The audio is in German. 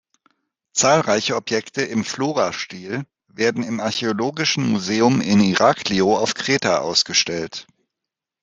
Zahlreiche Objekte im "Flora-Stil" werden im Archäologischen Museum in Iraklio auf Kreta ausgestellt.